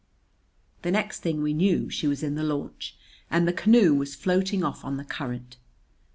The next thing we knew she was in the launch and the canoe was floating off on the current.